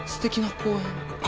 公園？